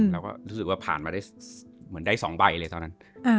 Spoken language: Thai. เราก็รู้สึกว่าผ่านมาได้เหมือนได้๒ใบเลยตอนนั้น